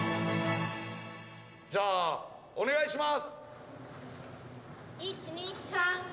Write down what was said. じゃあ、お願いします！